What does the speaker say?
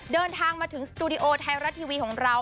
เดินทางมาถึงสตูดิโอไทยรัฐทีวีของเรา